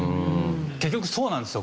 結局そうなんですよ。